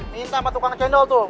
minta sama tukang cendol tuh